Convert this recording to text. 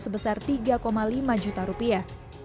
sebesar tiga lima juta rupiah